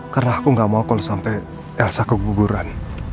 karena aku gak mau kalau sampai elsa keguguran